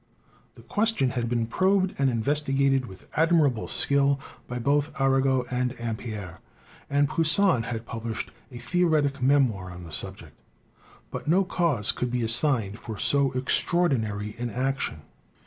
The question had been probed and investigated with admirable skill by both Arago and Ampere, and Poisson had published a theoretic memoir on the subject; but no cause could be assigned for so extraor dinary an action.